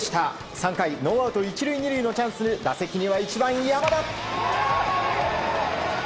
３回ノーアウト１塁２塁のチャンス打席には１番、山田。